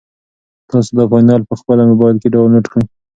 تاسو دا فایل په خپل موبایل کې ډاونلوډ کړئ.